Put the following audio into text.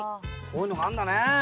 こういうのがあんだね。